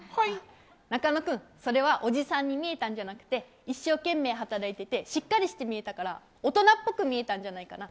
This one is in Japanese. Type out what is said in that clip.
中野君、それはおじさんに見えたんじゃなくて一生懸命、働いていてしっかりして見えたから大人っぽく見えたんじゃないかな。